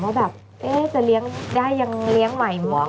ว่าแบบจะเลี้ยงได้ยังเลี้ยงใหม่หมด